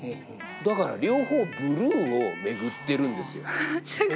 だから両方ブルーを巡ってるんですよ。